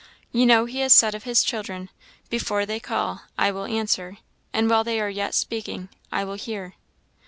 You know he has said of his children 'Before they call, I will answer; and while they are yet speaking, I will hear.'